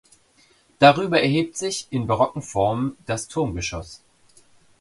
Darüber erhebt sich in barocken Formen das Turmgeschoss.